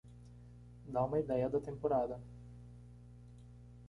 Dá uma ideia da temporada.